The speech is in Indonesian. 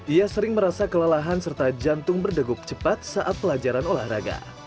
ia sering merasa kelelahan serta jantung berdegup cepat saat pelajaran olahraga